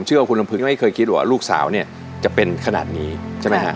ผมเชื่อว่าคุณละพึงยังไม่เคยคิดว่าลูกสาวเนี่ยจะเป็นขนาดนี้ใช่มั้ยค่ะ